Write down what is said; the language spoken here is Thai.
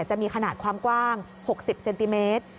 จะมีขนาดความกว้าง๖๐เซนติเมตร